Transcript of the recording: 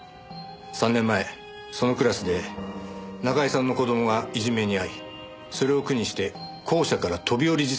３年前そのクラスで中居さんの子供がいじめにあいそれを苦にして校舎から飛び降り自殺を図った。